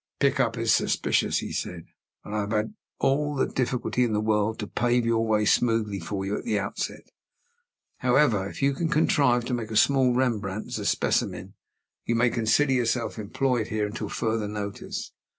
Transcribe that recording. "Pickup is suspicious," he said; "and I have had all the difficulty in the world to pave your way smoothly for you at the outset. However, if you can contrive to make a small Rembrandt, as a specimen, you may consider yourself employed here until further notice.